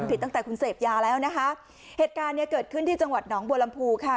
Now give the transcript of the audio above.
ผิดตั้งแต่คุณเสพยาแล้วนะคะเหตุการณ์เนี้ยเกิดขึ้นที่จังหวัดหนองบัวลำพูค่ะ